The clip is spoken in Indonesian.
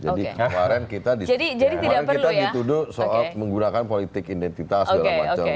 jadi kemarin kita dituduh menggunakan politik identitas dan segala macam